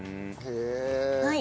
へえ。